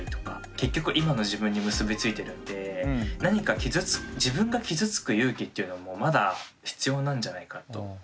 結局今の自分に結び付いてるんで何か自分が傷つく勇気っていうのもまだ必要なんじゃないかと。